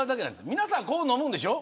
皆さん、こう飲むでしょ。